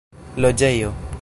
loĝejo